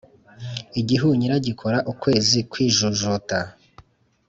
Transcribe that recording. igihunyira gikora ukwezi kwijujuta